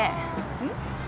うん？